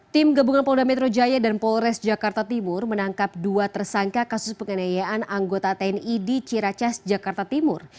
tim gabungan polda metro jaya dan polres jakarta timur menangkap dua tersangka kasus penganiayaan anggota tni di ciracas jakarta timur